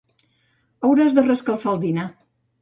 Hauràs de reescalfar el dinar.